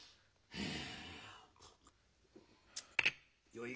うん？